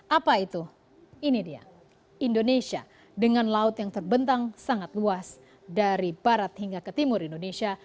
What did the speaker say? apa itu ini dia indonesia dengan laut yang terbentang sangat luas dari barat hingga ke timur indonesia